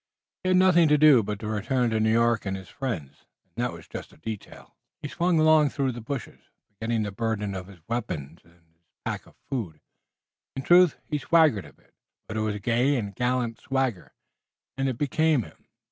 He had nothing to do but to return to New York and his friends, and that was just detail. He swung along through the bushes, forgetting the burden of his weapons and his pack of food. In truth, he swaggered a bit, but it was a gay and gallant swagger, and it became him.